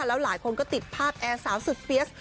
แล้วหลายคนก็ติดภาพแอร์สาวสุดเฟียส